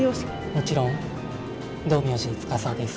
もちろん、道明寺司です。